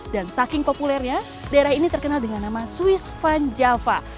dan saking populernya daerah ini terkenal dengan nama swiss van java